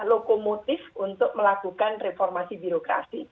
lokomotif untuk melakukan reformasi birokrasi